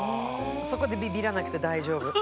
そこでビビらなくて大丈夫。